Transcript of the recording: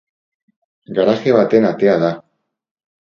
Garaje baten atea da.